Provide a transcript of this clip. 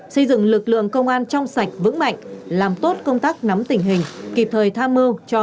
xây dựng lực lượng công an trong sạch vững mạnh làm tốt công tác nắm tình hình kịp thời tham mưu cho